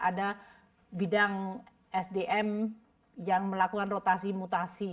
ada bidang sdm yang melakukan rotasi mutasi